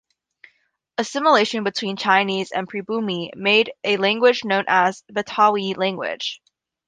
Assimilation between Chinese and "pribumi" made a language known as Betawi language.